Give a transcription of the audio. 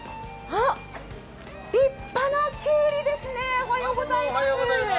あっ、立派なきゅうりですね、おはようございます。